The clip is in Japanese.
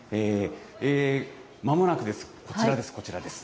まもなくです、こちらです、こちらです。